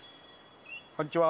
こんにちは。